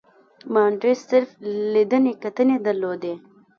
مانډس صرف لیدنې کتنې درلودې.